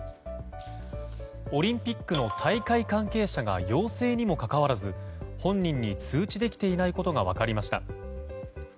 オリンピックの大会関係者が陽性にもかかわらず本人に通知できていないことが分かりました。